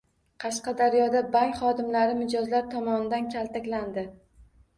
Qashqadaryoda bank xodimlari mijozlar tomonidan kaltaklandi